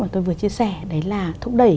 mà tôi vừa chia sẻ đấy là thúc đẩy